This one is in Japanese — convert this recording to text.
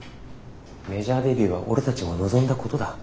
メジャーデビューは俺たちも望んだことだ。